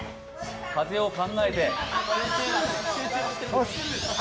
風を考えて。